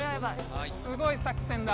すごい作戦だ。